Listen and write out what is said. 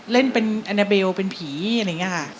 เล่นเป็นแอนาเบลเป็นผีอะไรอย่างนี้ค่ะ